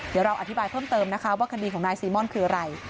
เดี๋ยวเราอธิบายเพิ่มเติมนะคะว่าคดีของนายซีม่อนคืออะไร